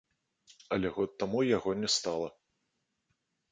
Але год таму яго не стала.